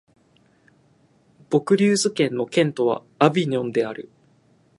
ヴォクリューズ県の県都はアヴィニョンである